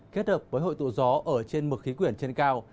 kết hợp với hội tụ gió ở trên mực khí quyển trên cao